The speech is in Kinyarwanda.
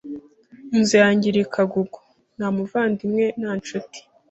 inzu yanjye iri Kagugu , nta muvandimwe , nta nshuti ,